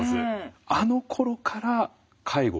あのころから介護？